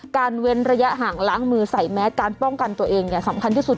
เว้นระยะห่างล้างมือใส่แมสการป้องกันตัวเองสำคัญที่สุด